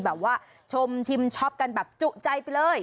แบบว่าชมชิมช็อปกันแบบจุใจไปเลย